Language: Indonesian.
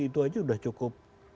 itu aja udah cukup